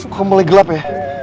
gila udah gelap ya